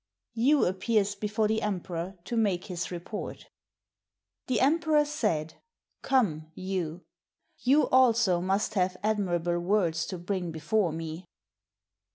[Yu appears before the emperor to make his report.] The emperor said, " Come, Yu, you also must have admirable words to bring before me."